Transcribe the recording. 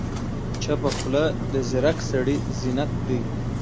چپه خوله، د ځیرک سړي زینت دی.